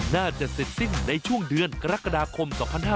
น่าจะเสร็จสิ้นในช่วงเดือนกรกฎาคม๒๕๕๙